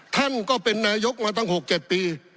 ท่านก็เป็นนายกมาตั้ง๖๗ปี